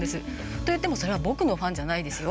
といっても、それは僕のファンじゃないですよ。